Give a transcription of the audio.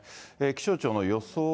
気象庁の予想